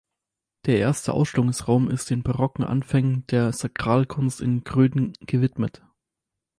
Der erste Ausstellungsraum ist den barocken Anfängen der Sakralkunst in Gröden gewidmet.